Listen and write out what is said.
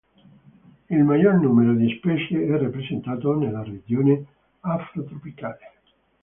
Il maggior numero di specie è rappresentato nella regione afrotropicale.